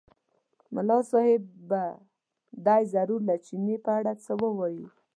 ملا صاحب به دی ضرور له چیني په اړه څه ووایي.